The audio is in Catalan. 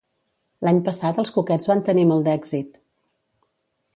l'any passat els coquets van tenir molt d'èxit